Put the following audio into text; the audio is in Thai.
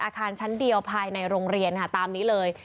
อาคารชั้นเดียวภายในโรงเรียนค่ะตามนี้เลย